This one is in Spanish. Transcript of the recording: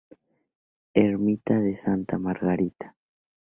Ermita de Santa Margarita.